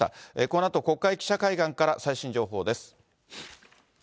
このあと、国会記者会館から最新情報です。